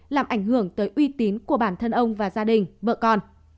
làm ảnh hưởng tới uy tín của bản thân ông và gia đình vợ con